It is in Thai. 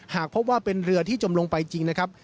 หากพบว่าเป็นเรือที่จมลงไปจริงนะครับ